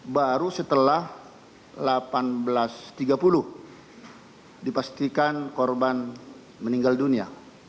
baru setelah delapan belas tiga puluh dipastikan korban meninggal dunia